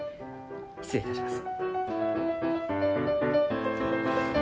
失礼いたします。